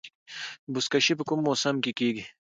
بزکشي په کوم موسم کې کیږي؟